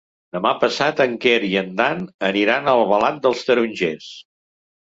Demà passat en Quer i en Dan aniran a Albalat dels Tarongers.